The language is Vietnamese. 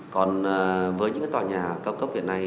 còn với những tòa nhà cao cấp hiện nay